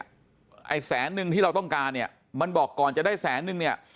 ไอ้แสนนึงที่เราต้องการเนี่ยมันบอกก่อนจะได้แสนนึงเนี่ย